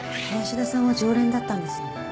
林田さんは常連だったんですよね？